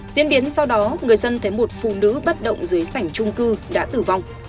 diễn biến sau đó người dân thấy một phụ nữ bất động dưới sảnh trung cư đã tử vong